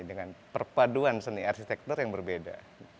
dengan perpaduan seni arsitektur yang berbeda